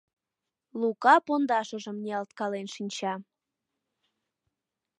Лука пондашыжым ниялткален шинча.